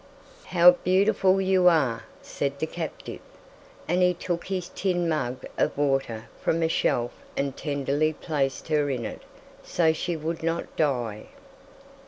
"How beautiful you are," said the captive, and he took his tin mug of water from a shelf and tenderly placed her in it so she would not die.